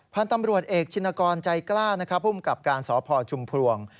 พันธุ์ตำรวจเอกชินกรใจกล้านะครับภูมิกับการสพชุมพลวง